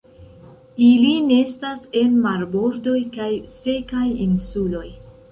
Ili nestas en marbordoj kaj sekaj insuloj.